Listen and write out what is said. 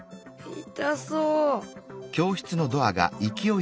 痛そう！